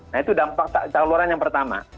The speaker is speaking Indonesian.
nah itu dampak saluran yang pertama